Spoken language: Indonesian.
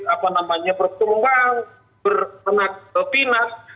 apa namanya berkembang berkenak kenak